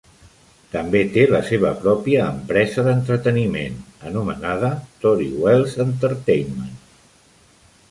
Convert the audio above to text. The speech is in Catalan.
També té la seva pròpia empresa d'entreteniment, anomenada Tori Welles Entertainment.